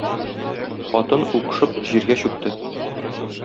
Хатын, укшып, җиргә чүкте.